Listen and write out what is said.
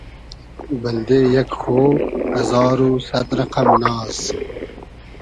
بئلدې یئگ خۉ ازار و سئد رئقئم ناز